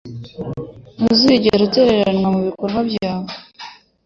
Ntuzigera utereranwa mubikorwa byawe